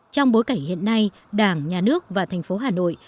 trong bối cảnh hiện nay đảng nhà nước và thành phố hà nội